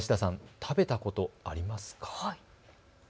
食べたことありますか。